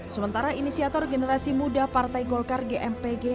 sementara inisiator generasi muda partai golkar gmpg